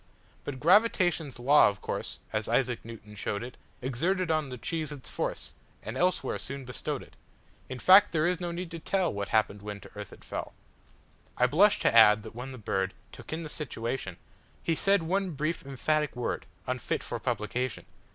But gravitation's law, of course, As Isaac Newton showed it, Exerted on the cheese its force, And elsewhere soon bestowed it.In fact, there is no need to tellWhat happened when to earth it fell.I blush to add that when the birdTook in the situationHe said one brief, emphatic word, Unfit for publication.